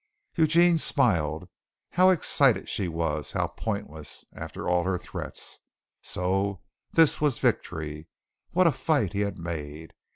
Eugene smiled. How excited she was! How pointless, after all her threats! So this was victory. What a fight he had made!